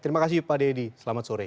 terima kasih pak deddy selamat sore